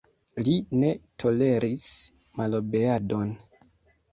Li ne toleris malobeadon.